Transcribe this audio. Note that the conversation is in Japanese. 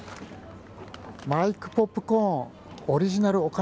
マイクポップコーン、オリジナル女将